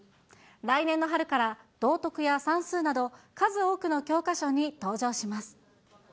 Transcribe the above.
来年の春から、道徳や算数など、数多くの教科書に登場します。